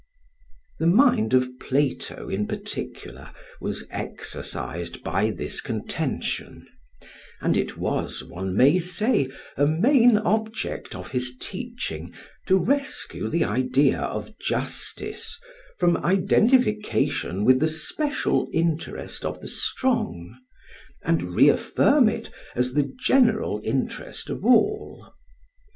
The mind of Plato, in particular, was exercised by this contention; and it was, one may say, a main object of his teaching to rescue the idea of justice from identification with the special interest of the strong, and re affirm it as the general interest of all.